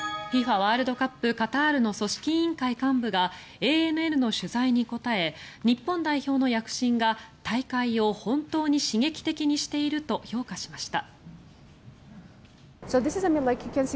ワールドカップカタールの組織委員会の幹部がＡＮＮの取材に答え日本代表の躍進が大会を本当に刺激的にしていると評価しました。